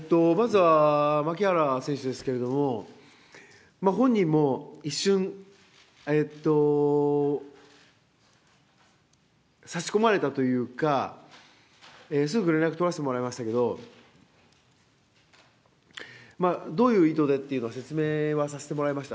まずは、牧原選手ですけれども、本人も一瞬、差し込まれたというか、すぐ連絡取らせてもらいましたけど、どういう意図でっていうか、説明はさせてもらいました。